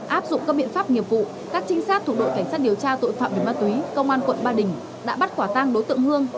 áp dụng các biện pháp nghiệp vụ các trinh sát thuộc đội cảnh sát điều tra tội phạm về ma túy công an quận ba đình đã bắt quả tang đối tượng hương